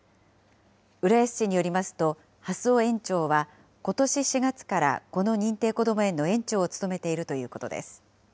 浦安市によりますと、蓮尾園長はことし４月から、この認定こども園の園長を務めているということです。